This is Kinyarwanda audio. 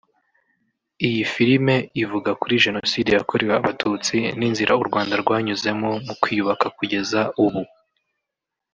Iyi filime ivuga kuri Jenoside yakorewe Abatutsi n’inzira u Rwanda rwanyuzemo mu kwiyubaka kugeza ubu